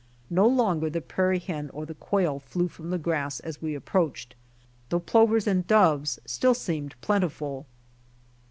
No longer the prairie hen or the quail flew from the grass as we approached, though plovers and doves still seemed plentiful.